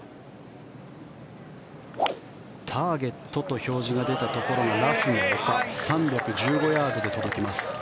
ターゲットと表示が出たところのラフの丘３１５ヤードで届きます。